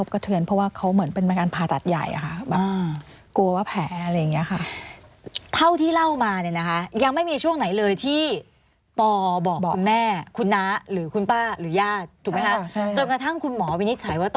คือเหมือนมันจะกระทบกระเทือนเพราะว่า